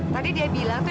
tadi dia bilang tuh